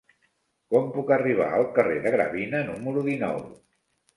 Com puc arribar al carrer de Gravina número dinou?